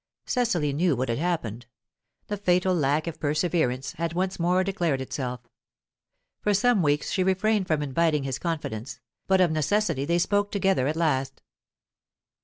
Cecily knew what had happened; the fatal lack of perseverance had once more declared itself. For some weeks she refrained from inviting his confidence, but of necessity they spoke together at last.